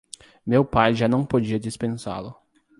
meu pai já não podia dispensá-lo.